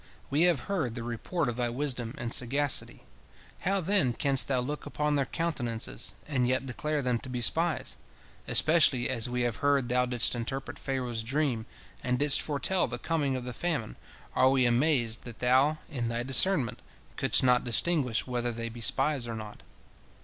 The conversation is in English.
We have heard the report of thy wisdom and sagacity. How, then, canst thou look upon their countenances, and yet declare them to be spies? Especially as we have heard thou didst interpret Pharaoh's dream, and didst foretell the coming of the famine, are we amazed that thou, in thy discernment, couldst not distinguish whether they be spies or not.